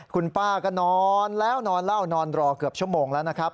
คุณป้าก็นอนแล้วนอนเล่านอนรอเกือบชั่วโมงแล้วนะครับ